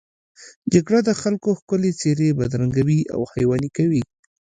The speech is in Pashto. جګړه د خلکو ښکلې څېرې بدرنګوي او حیواني کوي